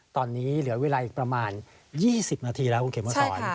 ตอนนี้เหลือเวลาประมาณ๒๐นาทีแล้วคุณเขตมอสร